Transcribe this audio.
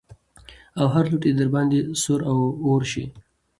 او هر لوټ يې د درباندې سور اور شي.